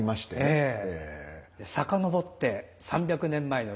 ええ。